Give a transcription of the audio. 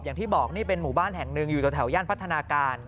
อย่างที่บอกนี่เป็นหมู่บ้านแห่งหนึ่งอยู่แถวย่านพัฒนาการ